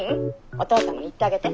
お父さんにも言ってあげて。